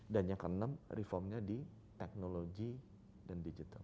dan yang keenam reformnya di teknologi dan digital